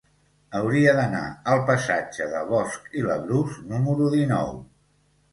Hauria d'anar al passatge de Bosch i Labrús número dinou.